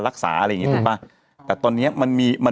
มีสารตั้งต้นเนี่ยคือยาเคเนี่ยใช่ไหมคะ